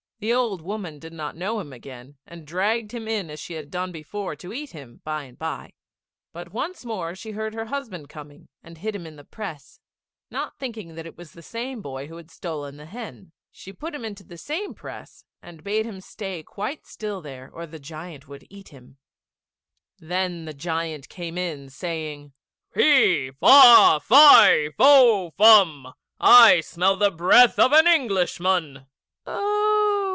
The old woman did not know him again, and dragged him in as she had done before to eat him by and by; but once more she heard her husband coming and hid him in the press, not thinking that it was the same boy who had stolen the hen. She put him into the same press, and bade him stay quite still there, or the giant would eat him. [Illustration: THE HEN THAT LAYS GOLDEN EGGS.] Then the giant came in, saying: "Fee, fa, fie, fo, fum, I smell the breath of an Englishman." "Oh!"